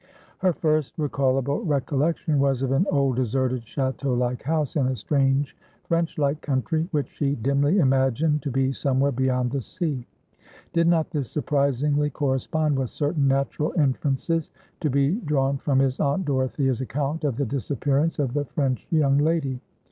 Her first recallable recollection was of an old deserted chateau like house in a strange, French like country, which she dimly imagined to be somewhere beyond the sea. Did not this surprisingly correspond with certain natural inferences to be drawn from his Aunt Dorothea's account of the disappearance of the French young lady?